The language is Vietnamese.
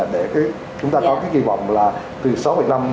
để chúng ta có cái kỳ vọng là từ sáu năm